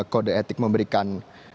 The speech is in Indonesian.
kode etik memberikan